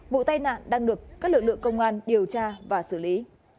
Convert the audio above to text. vụ tai nạn đang được các lực lượng công an điều tra và xử lý